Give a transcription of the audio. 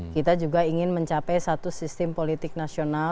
kita juga ingin mencapai satu sistem politik nasional